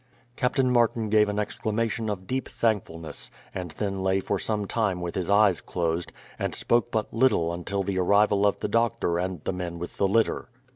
Captain Martin gave an exclamation of deep thankfulness, and then lay for some time with his eyes closed, and spoke but little until the arrival of the doctor and the men with the litter.